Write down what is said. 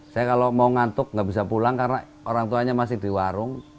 saya kalau mau ngantuk nggak bisa pulang karena orang tuanya masih di warung